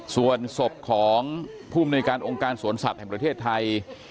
ส่วนศพของผู้มนุยการองค์การสวนสัตว์แห่งประเทศไทย